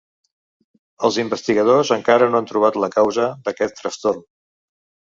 Els investigadores encara no han trobat la causa d'aquest trastorn.